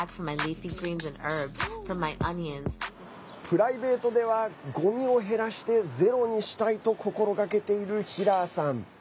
プライベートではごみを減らしてゼロにしたいと心がけているヒラーさん。